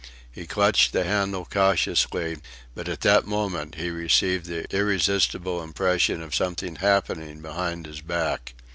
He clutched the handle cautiously, but at that moment he received the irresistible impression of something happening behind his back.